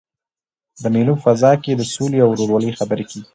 د مېلو په فضا کښي د سولي او ورورولۍ خبري کېږي.